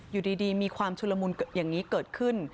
อยู่ดีมีความชุลมุนอย่างนี้เกิดขึ้น